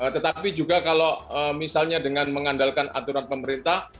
tetapi juga kalau misalnya dengan mengandalkan aturan pemerintah